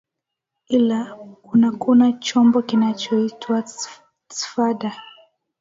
ila kuna kuna chombo kinachoitwa tfda